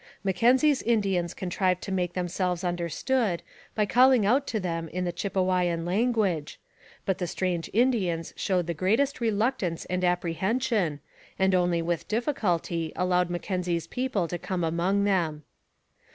Mackenzie's Indians contrived to make themselves understood, by calling out to them in the Chipewyan language, but the strange Indians showed the greatest reluctance and apprehension, and only with difficulty allowed Mackenzie's people to come among them.